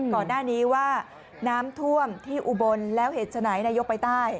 ก่อนหน้านี้ว่าน้ำท่วมที่อุบลแล้วเหตุฉะไหนนายกไปใต้